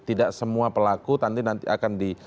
tidak semua pelaku nanti akan di